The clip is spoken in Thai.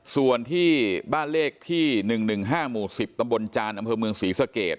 ส่วนที่บ้านเลขที่๑๑๕หมู่๑๐ตำบลจานอำเภอเมืองศรีสเกต